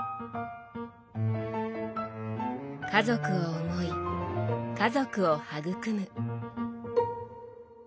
家族を思い家族を育む。